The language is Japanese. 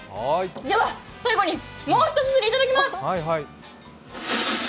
では最後に、もう一すすりいただきます。